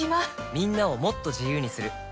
みんなをもっと自由にする「三菱冷蔵庫」